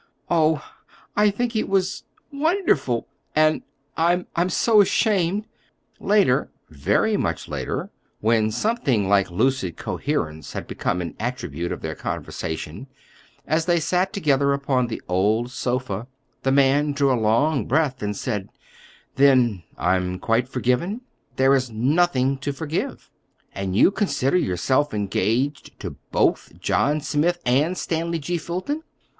Oh, I think it was—wonderful! And I—I'm so ashamed!" Later—very much later, when something like lucid coherence had become an attribute of their conversation, as they sat together upon the old sofa, the man drew a long breath and said:— "Then I'm quite forgiven?" "There is nothing to forgive." "And you consider yourself engaged to both John Smith and Stanley G. Fulton?"